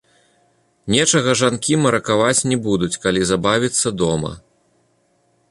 Нечага жанкі маракаваць не будуць, калі забавіцца дома.